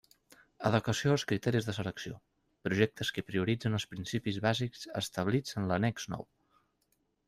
Adequació als criteris de selecció: projectes que prioritzen els principis bàsics establits en l'annex nou.